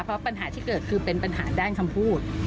เพราะปัญหาที่เกิดคือเป็นปัญหาด้านคำพูด